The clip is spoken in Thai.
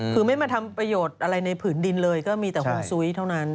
คือไม่มาทำประโยชน์อะไรในผืนดินเลยก็มีแต่ห่วงซุ้ยเท่านั้น